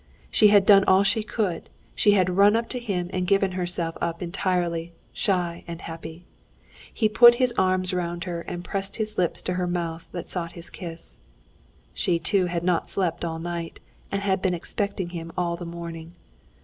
She had done all she could—she had run up to him and given herself up entirely, shy and happy. He put his arms round her and pressed his lips to her mouth that sought his kiss. She too had not slept all night, and had been expecting him all the morning.